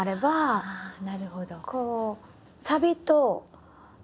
なるほど。